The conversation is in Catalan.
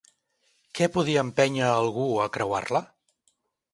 Què podia empènyer a algú a creuar-la?